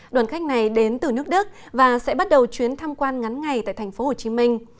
đoàn khách này đến từ nước đức và sẽ bắt đầu chuyến thăm quan ngắn ngày tại thành phố hồ chí minh